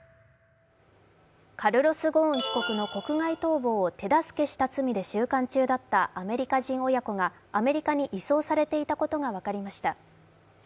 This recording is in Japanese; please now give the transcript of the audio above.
カルロス・ゴーン被告の国外逃亡を手助けした罪で収監中だったアメリカ人親子がアメリカに移送されていたことが分かりました。